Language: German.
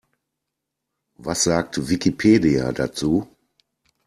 Was sagt Wikipedia dazu?